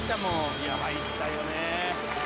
「いや入ったよね」